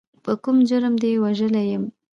په کوم جرم دې وژلی یم.